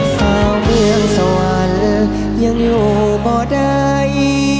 เซ้าเมืองสวรรค์ยังอยู่บ่ได